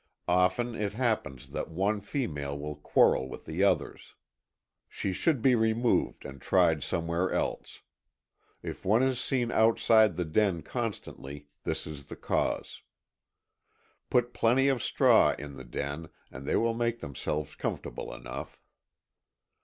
Often it happens that one female will quarrel with the others. She should be removed and tried somewhere else. If one is seen outside the den constantly, this is the cause. Put plenty of straw in the den and they will make themselves comfortable enough.